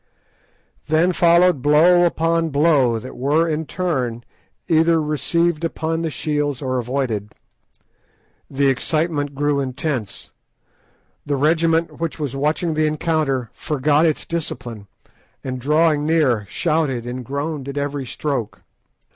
Then followed blow upon blow, that were, in turn, either received upon the shields or avoided. The excitement grew intense; the regiment which was watching the encounter forgot its discipline, and, drawing near, shouted and groaned at every stroke.